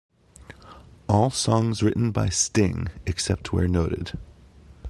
All songs written by Sting except where noted.